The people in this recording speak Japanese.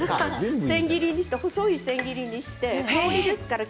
細い千切りにして香りですからね。